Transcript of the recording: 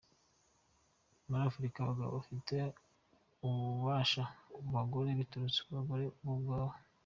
Muri Afurika abagabo bafite ububasha ku bagore biturutse ku bagore bo ubwabo”.